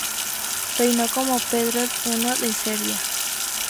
Reinó como Pedro I de Serbia.